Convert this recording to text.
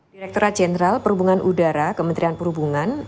direkturat jenderal perhubungan udara kementerian perhubungan